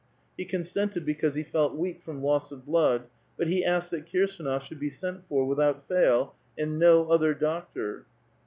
He consented l>ecaase he felt weak from loss of blood, but he asked that Xirsdnof should be sent for without fail, and no other doctor.